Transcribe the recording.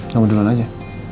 kamu duluan aja